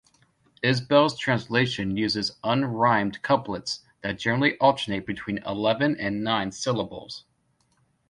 Isbell's translation uses unrhymed couplets that generally alternate between eleven and nine syllables.